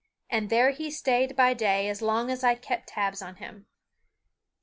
And there he stayed by day as long as I kept tabs on him.